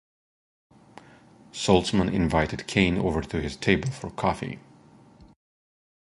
Saltzman invited Caine over to his table for coffee.